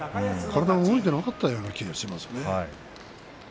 体が動いていなかったような気がします。